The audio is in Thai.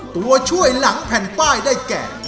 ตัวช่วยหลังแผ่นป้ายได้แก่